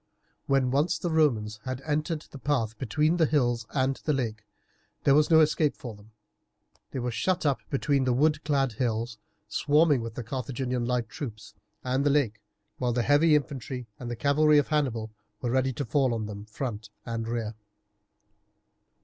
When once the Romans had entered the path between the hills and the lake there was no escape for them. They were shut up between the wood clad hills swarming with the Carthaginian light troops and the lake, while the heavy infantry and cavalry of Hannibal were ready to fall on them front and rear.